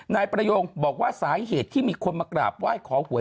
นายประโยงบอกว่าสาเหตุที่มีคนมากราบไหว้ขอหวย